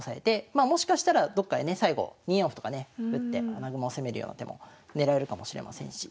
まあもしかしたらどっかでね最後２四歩とかね打って穴熊を攻めるような手も狙えるかもしれませんし。